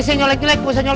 hantu mereka ini tahu